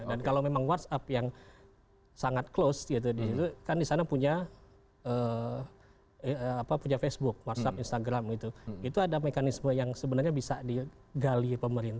dan kalau memang whatsapp yang sangat close kan disana punya facebook whatsapp instagram itu ada mekanisme yang sebenarnya bisa dikonsumsi